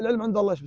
saya menjaga mereka